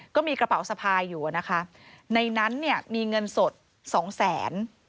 ก็มีกระเป๋าสภายอยู่นะคะในนั้นมีเงินสด๒๐๐๐๐๐บาท